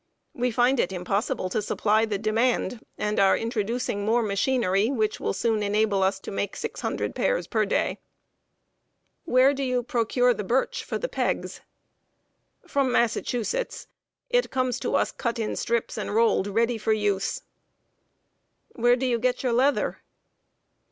We find it impossible to supply the demand, and are introducing more machinery, which will soon enable us to make six hundred pairs per day." [Sidenote: HOW "SOUTHERN" SHOES WERE MADE.] "Where do you procure the birch for pegs?" "From Massachusetts. It comes to us cut in strips and rolled, ready for use." "Where do you get your leather?"